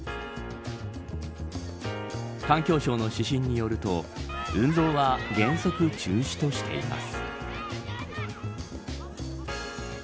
環境省の指針によると運動は原則中止としています。